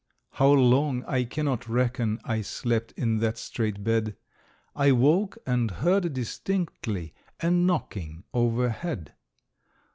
How long I cannot reckon, I slept in that strait bed; I woke and heard distinctly A knocking overhead.